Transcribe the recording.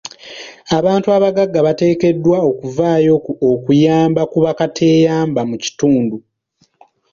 Abantu abagagga bateekeddwa okuvaayo okuyamba ku bakateyamba mu kitundu.